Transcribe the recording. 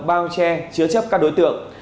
bao che chứa chấp các đối tượng